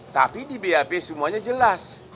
tapi di bap semuanya jelas